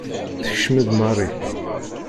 Tekcem-d Mary.